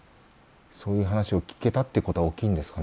そういう話を聞けたってことは大きいんですかね？